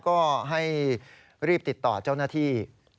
ก็ให้รีบติดต่อเจ้าหน้าที่